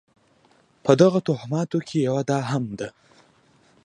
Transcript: په دغو توهماتو کې یوه دا هم ده.